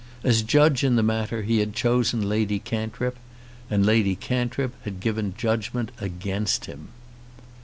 As judge in the matter he had chosen Lady Cantrip, and Lady Cantrip had given judgment against him.